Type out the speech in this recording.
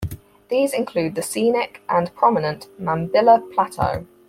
These include the scenic and prominent Mambilla Plateau.